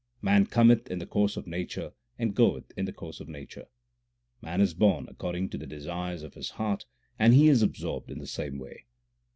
Man cometh in the course of nature and goeth in the course of nature. Man is born according to the desires of his heart, and he is absorbed in the same way.